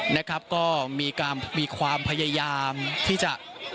นะครับก็มีความพยายามที่จะ